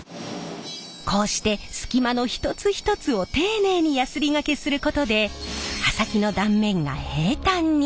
こうして隙間の一つ一つを丁寧にヤスリがけすることで刃先の断面が平たんに。